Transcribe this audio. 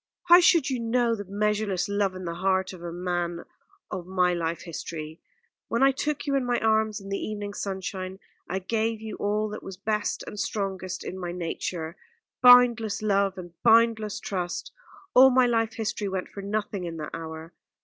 How should you know the measureless love in the heart of a man of my life history? When I took you in my arms in the evening sunshine, I gave you all that was best and strongest in my nature boundless love and boundless trust. All my life history went for nothing in that hour.